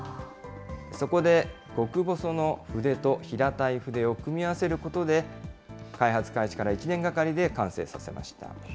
そこで、極細の筆と平たい筆を組み合わせることで、開発開始から１年がかりで完成させました。